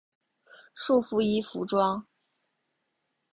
束缚衣服装。